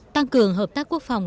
tăng cường hợp tác quốc phòng